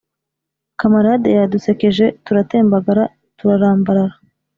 kamarade yadusekeje turatembagara turarambarara